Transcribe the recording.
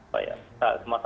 pak ya semata mata bisa